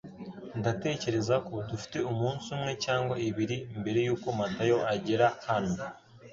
Ndatekereza ko dufite umunsi umwe cyangwa ibiri mbere yuko Matayo agera hano